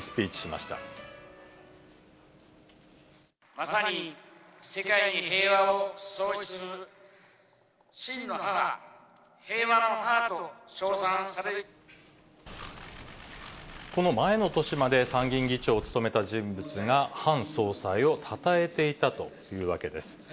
まさに世界平和を創出する真の母、この前の年まで、参議院議長を務めた人物が、ハン総裁をたたえていたというわけです。